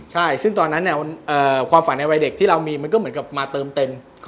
ใช่ซึ่งตอนนั้นความฝันในวัยเด็กที่เรามีมันก็เหมือนกับมาเติมเต็ม